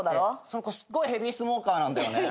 その子すっごいヘビースモーカーなんだよね。